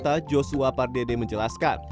yang permata joshua pardede menjelaskan